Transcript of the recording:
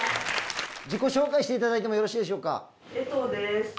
自己紹介していただいてもよろしいでしょうか？